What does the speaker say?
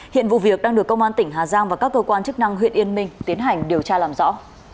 hiện vụ việc đang được công an tỉnh hà giang và các cơ quan chức năng huyện yên minh tiến hành điều tra làm rõ